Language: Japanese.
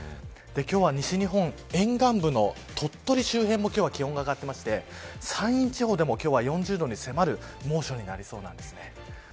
今日は西日本、沿岸部の鳥取周辺も今日は気温が上がっていまして山陰地方でも今日は４０度に迫る猛暑になりそうなんですね。